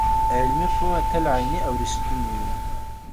علمي پوهه تل عيني او رښتينې وي.